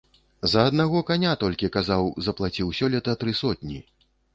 За аднаго каня толькі, казаў, заплаціў сёлета тры сотні.